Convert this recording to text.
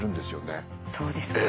そうですか。